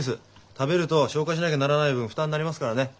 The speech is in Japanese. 食べると消化しなきゃならない分負担になりますからね。